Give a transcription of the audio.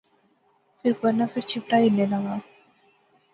فیر پرنا، فیر چھپرا ہلنے لاغا